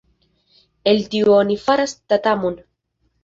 El tiu oni faras tatamon.